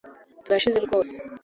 Turasinze rwose